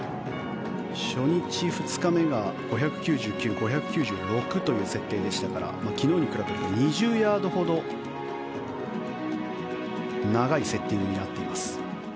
初日、２日目が５９９、５９６という設定でしたから昨日に比べて２０ヤードほど長いセッティングになっています。